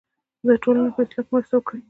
د ټولنې په اصلاح کې مرسته وکړئ.